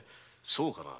そうかな？